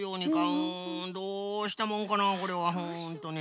うんどうしたもんかなこれはホントに。